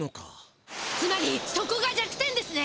つまりそこが弱点ですね！